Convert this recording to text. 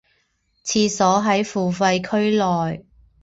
厕所在付费区内。